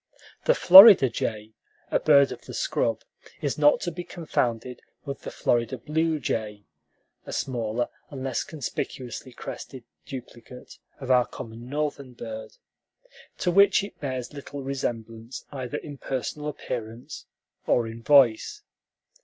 The Florida jay, a bird of the scrub, is not to be confounded with the Florida blue jay (a smaller and less conspicuously crested duplicate of our common Northern bird), to which it bears little resemblance either in personal appearance or in voice.